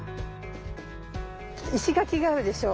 石垣があるでしょ。